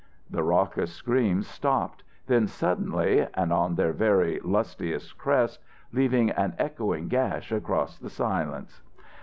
The raucous screams stopped then suddenly, and on their very lustiest crest, leaving an echoing gash across silence.